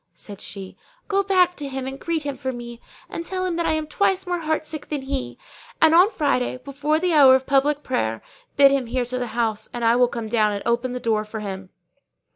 Said she, 'Go back to him and greet him for me and tell him that I am twice more heartsick than he is. And on Friday, before the hour of public prayer, bid him here to the house, and I will come down and open the door for him.